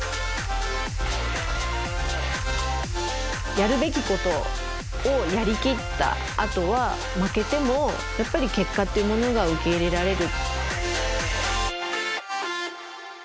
やるべきことをやりきったあとは負けてもやっぱり結果っていうものが受け入れられる。